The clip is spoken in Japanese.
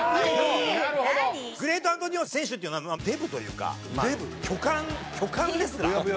グレート・アントニオ選手っていうのはデブというか巨漢巨漢レスラー。